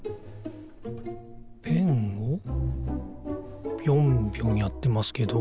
ペンをぴょんぴょんやってますけど。